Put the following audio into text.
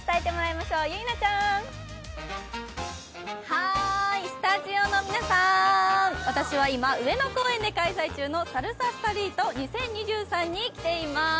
はーい、スタジオの皆さん、私は今、上野公園で開催中のＳＡＬＳＡＳｔｒｅｅｔ２０２３に来ています。